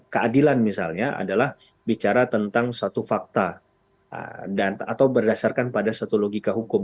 keadilan misalnya adalah bicara tentang suatu fakta atau berdasarkan pada suatu logika hukum